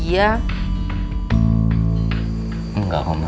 masa iya sih ren kamu masih mengharapkan dia